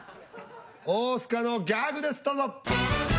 大須賀のギャグですどうぞ。